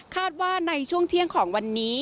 ว่าในช่วงเที่ยงของวันนี้